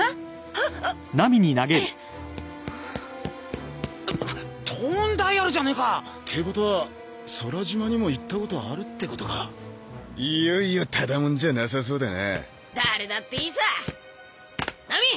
ハッあトーンダイアルじゃねえかってことは空島にも行ったことあるってことかいよいよただモンじゃなさそうだな誰だっていいさナミ！